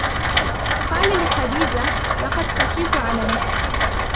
قَالَ لِخَدِيجَةَ: لَقَدْ خَشِيتُ عَلَى نَفْسِي.